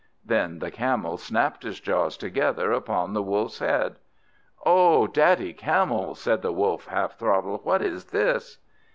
Then the Camel snapped his jaws together upon the Wolf's neck. "O Daddy Camel," said the Wolf, half throttled; "what is this?"